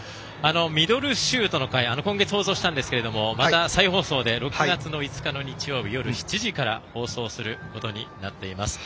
「ミドルシュート」の回を今月放送したんですがまた再放送で６月５日の日曜日、夜７時から放送することになっています。